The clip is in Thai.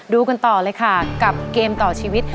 ดูกันต่อเลยค่ะกับเกมต่อชีวิต